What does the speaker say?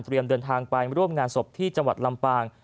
เดินทางไปร่วมงานศพที่จังหวัดลำปาง